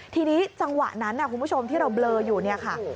ทีนี้จังหวะนั้นคุณผู้ชมที่เราเบลออยู่เนี่ยค่ะ